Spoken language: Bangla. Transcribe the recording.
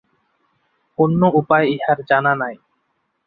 অন্য উপায় ইহার জানা নাই।